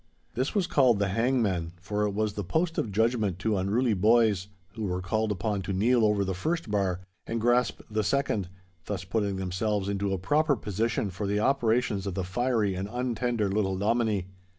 This was called the hangman, for it was the post of judgment to unruly boys, who were called upon to kneel over the first bar and grasp the second, thus putting themselves into a proper position for the operations of the fiery and untender little Dominie.